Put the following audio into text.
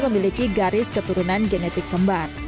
memiliki garis keturunan genetik kembar